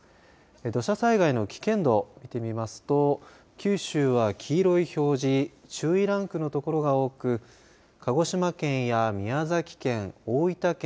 土砂災害の危険度、見てみますと九州は黄色い表示注意ランクのところが多く鹿児島県や宮崎県、大分県